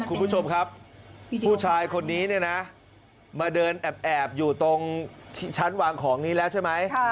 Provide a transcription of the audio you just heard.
คุณผู้ชมครับผู้ชายคนนี้เนี่ยนะมาเดินแอบอยู่ตรงชั้นวางของนี้แล้วใช่ไหม